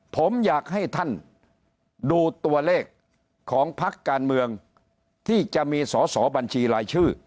ผมอยากให้ท่านดูตัวเลขของพักการเมืองที่จะมีสอสอบัญชีรายชื่อ